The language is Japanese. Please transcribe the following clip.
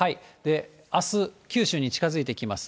あす、九州に近づいてきます。